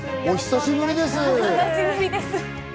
お久しぶりです。